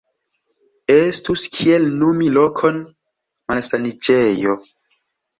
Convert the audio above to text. Estus kiel nomi lokon malsaniĝejo.